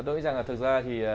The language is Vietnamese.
tôi nghĩ rằng là thực ra thì